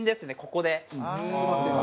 ここで。